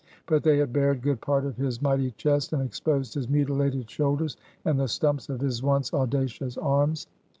But they had bared good part of his mighty chest, and exposed his mutilated shoulders, and the stumps of his once audacious arms.